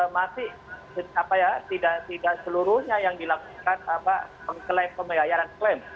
masih tidak seluruhnya yang dilakukan mengklaim pemegayaran klaim